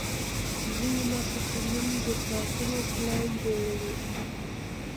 ځینې محصلین د ساعتونو پلان جوړوي.